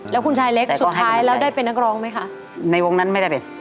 แล้วคุณชายเล็กสุดท้ายแล้วได้เป็นนักร้องไหมคะในวงนั้นไม่ได้เป็น